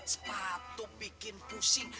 sepatu bikin pusing